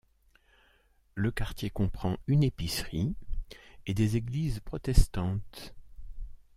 Le quartier comprend une épicerie et des églises protestantes.